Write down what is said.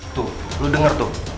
tuh lo denger tuh